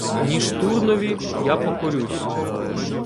Ніж Турнові я покорюсь.